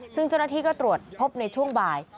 ซึ่งเจ้าหน้าที่ก็ตรวจพบในช่วงบ่าย